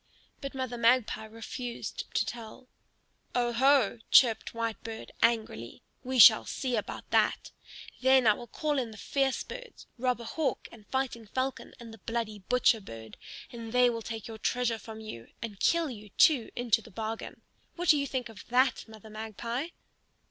But Mother Magpie refused to tell. "Oho!" chirped Whitebird, angrily; "we shall see about that! Then I will call in the fierce birds, Robber Hawk and Fighting Falcon and the bloody Butcher Bird, and they will take your treasure from you, and kill you, too, into the bargain. What do you think of that, Mother Magpie?"